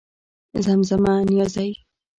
زمزمه نيازۍ